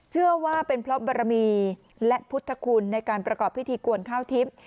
เชื่อว่าเป็นเพราะบรมีและพุทธคุณในการประกอบพิธีกวนข้าวทิพย์